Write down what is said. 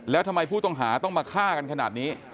แล้วทำไมผู้ต้องหาต้องมาฆ่ากันขนาดนี้